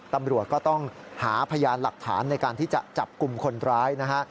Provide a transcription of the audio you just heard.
ตำรวจก็ต้องหาพยานหลักฐานในการที่จะจับกลุ่มคนร้ายนะฮะ